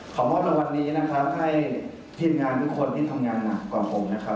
มอบรางวัลนี้นะครับให้ทีมงานทุกคนที่ทำงานหนักกว่าผมนะครับ